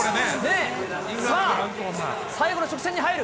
さあ、最後の直線に入る。